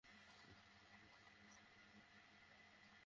তো, তুমি সবসময় বাবারই প্রিয় মেয়ে ছিলে?